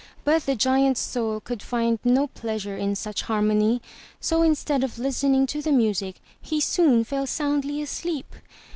But the giant's soul could find no pleasure in such harmony, so instead of listening to the music, he soon fell soundly asleep.